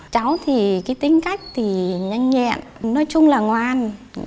cháu thì tính cách nhanh nhẹn nói chung là ngoan